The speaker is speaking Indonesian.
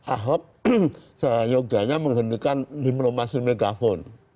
ahok seyoganya menghentikan diplomasi megafon